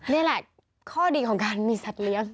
นี่แหละข้อดีของการมีสัตว์เลี้ยง